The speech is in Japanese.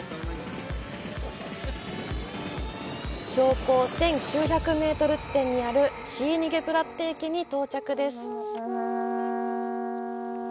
標高１９００メートル地点にあるシーニゲプラッテ駅に到着です。